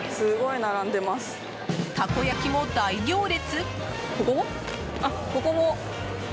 たこ焼きも大行列。